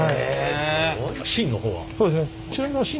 すごい。